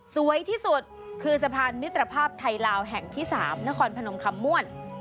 สวยที่สุดคือสะพานมิตรภาพไทยลาวแห่งที่๓นครพนมคำม่วน